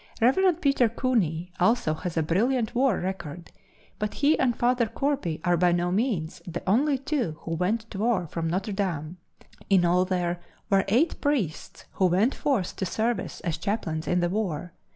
Rev. Peter Cooney also has a brilliant war record, but he and Father Corby are by no means the only two who went to war from Notre Dame. In all there were eight priests who went forth to service as chaplains in the war.